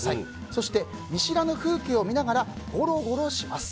そして、見知らぬ風景を見ながらゴロゴロします。